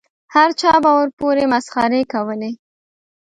هر چا به ورپورې مسخرې کولې.